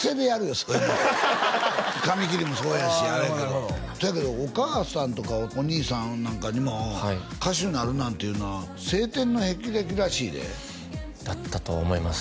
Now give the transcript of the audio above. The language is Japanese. それ紙切りもそうやしあれやけどそやけどお母さんとかお兄さんなんかにも歌手なるなんていうのは青天の霹靂らしいでだったと思います